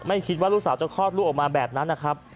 คิดว่าลูกสาวจะคลอดลูกออกมาแบบนั้นนะครับ